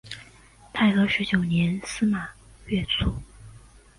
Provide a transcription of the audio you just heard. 太和十九年司马跃卒。